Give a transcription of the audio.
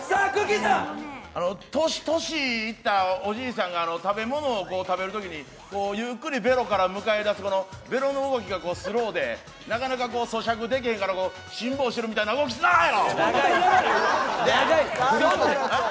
年いったおじいさんが食べ物を食べるときにこう、ゆっくりベロから迎え出すベロの動きがスローでなかなかそしゃくできへんから辛抱してるみたいな動きすなよ！